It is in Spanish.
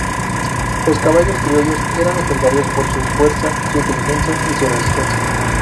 Los caballos criollos eran legendarios por su fuerza, su inteligencia y su resistencia.